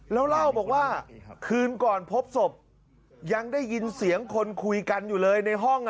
แล้วเล่าบอกว่าคืนก่อนพบศพยังได้ยินเสียงคนคุยกันอยู่เลยในห้อง